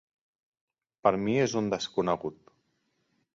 Per mi és un desconegut.